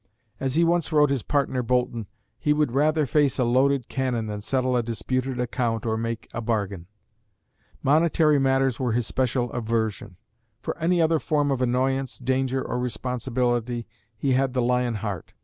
As he once wrote his partner, Boulton, he "would rather face a loaded cannon than settle a disputed account or make a bargain." Monetary matters were his special aversion. For any other form of annoyance, danger or responsibility, he had the lion heart.